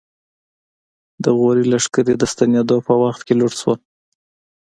د غوري لښکرې د ستنېدو په وخت کې لوټ شول.